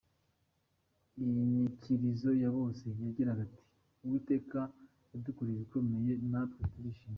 Inyikirizo ya bose yagiraga iti “Uwiteka yadukoreye ibikomeye na twe turishimye.